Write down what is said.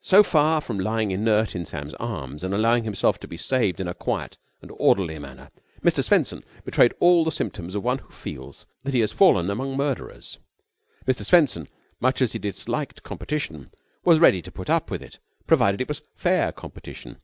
So far from lying inert in Sam's arms and allowing himself to be saved in a quiet and orderly manner, Mr. Swenson betrayed all the symptoms of one who feels that he has fallen among murderers. Mr. Swenson, much as he disliked competition, was ready to put up with it, provided that it was fair competition.